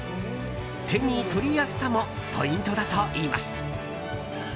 手に取りやすさもポイントだといいます。